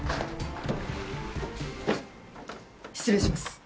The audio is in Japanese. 失礼します。